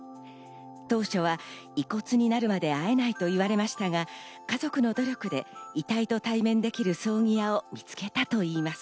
当初は遺骨になるまで会えないと言われましたが、家族の努力で遺体と対面できる葬儀屋を見つけたといいます。